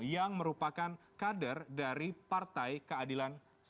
yang merupakan kader dari partai keadilan sejah